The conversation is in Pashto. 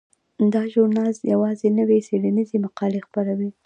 دا ژورنال یوازې نوې څیړنیزې مقالې خپروي.